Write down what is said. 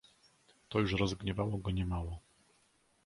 "To już rozgniewało go nie mało."